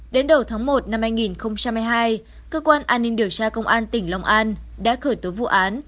đến đầu tháng một năm hai nghìn hai mươi hai cơ quan an ninh điều tra công an tỉnh long an đã khởi tố vụ án